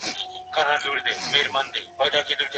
په سوداګریزو سیمو کې سندرغاړي روغتیا ته هم ګټه رسوي.